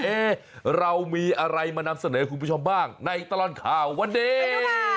เรามีอะไรมานำเสนอให้คุณผู้ชมบ้างในตลอดข่าววันนี้